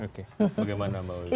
oke bagaimana mbak wuy